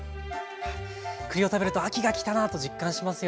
栗を食べると秋が来たなと実感しますよね。